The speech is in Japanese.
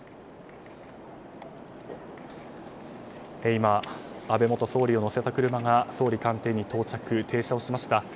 今、安倍元総理を乗せた車が総理官邸に到着、停車をしました。